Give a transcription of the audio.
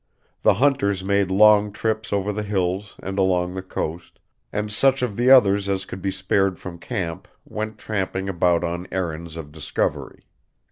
The hunters made long trips over the hills and along the coast, and such of the others as could be spared from camp went tramping about on errands of discovery.